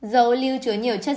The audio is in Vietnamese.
dầu ô lưu chứa nhiều chất